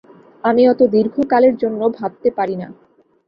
আমি অত দীর্ঘকালের জন্য ভাবতে পারি না।